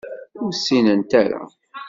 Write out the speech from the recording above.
Ur ssinent ara.